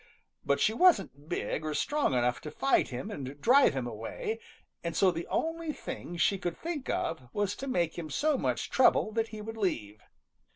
But she wasn't big or strong enough to fight him and drive him away, and so the only thing she could think of was to make him so much trouble that he would leave.